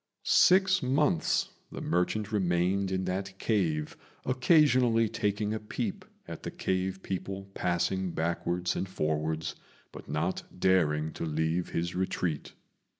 Six months the merchant remained in that cave, occasionally taking a peep at the cave people passing backwards and forwards, but not daring to leave his retreat.